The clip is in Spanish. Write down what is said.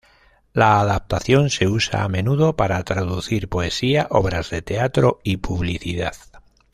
La adaptación se usa a menudo para traducir poesía, obras de teatro y publicidad.